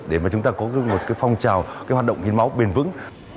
để chúng ta có phong trào hoạt động hiến máu bền vững